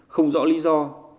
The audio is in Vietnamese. không rõ lý do